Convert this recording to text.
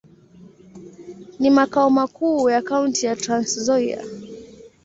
Ni makao makuu ya kaunti ya Trans-Nzoia.